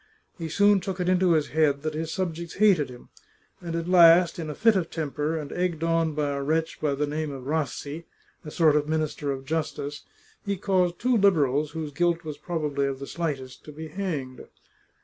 He soon took it into his head that his subjects hated him, and at last, in a fit of temper, and egged on by a wretch by the name of Rassi, a sort of Minister of Justice, he caused two Liberals, whose guilt was probably of the slightest, to be hanged.